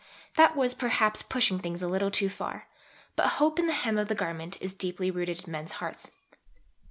That was perhaps pushing things a little far; but "hope in the hem of the garment" is deeply rooted in men's hearts.